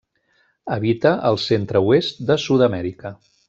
Habita el centre-oest de Sud-amèrica.